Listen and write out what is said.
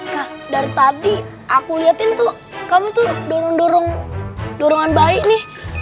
hai dari tadi aku lihat itu kamu tuh dorong dorong dorongan bayi nih